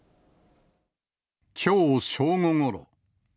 きょう正午ごろ。